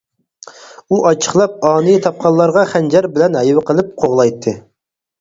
ئۇ ئاچچىقلاپ ئانىي تاپقانلارغا خەنجەر بىلەن ھەيۋە قىلىپ قوغلايتتى.